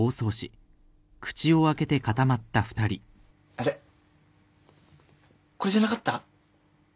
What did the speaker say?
あれこれじゃなかった？